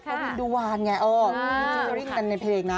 เพราะว่าดูวานไงอ๋อในเพลงนะ